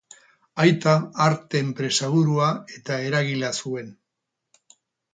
Aita arte-enpresaburua eta eragilea zuen.